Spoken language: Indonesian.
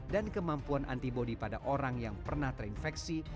dan kemampuan antibody pada orang yang pernah terinfeksi